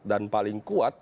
dan paling kuat